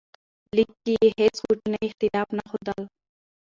لیک کې یې هیڅ کوچنی اختلاف نه ښودل.